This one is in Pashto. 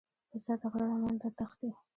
پسه د غره لمنو ته تښتي.